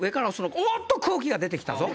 おっと空気が出て来たぞ！